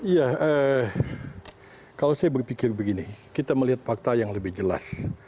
ya kalau saya berpikir begini kita melihat fakta yang lebih jelas